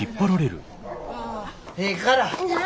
ええから！何？